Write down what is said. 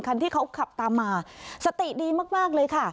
คันที่เขาขับตามมาสติดีมากเลยค่ะ